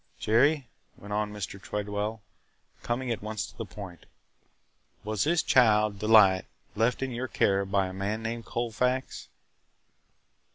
"Jerry," went on Mr. Tredwell, coming at once to the point, "was this child, Delight, left in your care by a man named Colfax?"